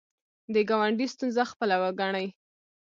د ګاونډي ستونزه خپله وګڼئ